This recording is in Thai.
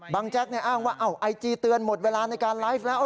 แจ๊กอ้างว่าไอจีเตือนหมดเวลาในการไลฟ์แล้ว